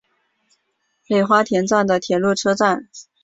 北花田站的铁路车站。